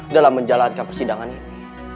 dalam menjalankan persidangan ini